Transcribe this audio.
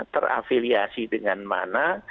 terafiliasi dengan mana